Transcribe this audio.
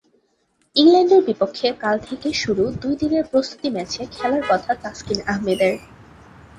ইংল্যান্ডের বিপক্ষে কাল থেকে শুরু দুই দিনের প্রস্তুতি ম্যাচে খেলার কথা তাসকিন আহমেদের।